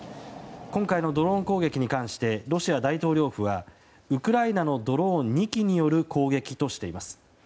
今回のドローン攻撃に関してロシア大統領府はウクライナのドローン２機による攻撃としています。